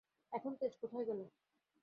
এখন তেজ কোথায় গেল।